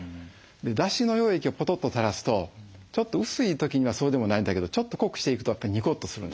だしの溶液をポトッとたらすとちょっと薄い時にはそうでもないんだけどちょっと濃くしていくとニコッとするんです。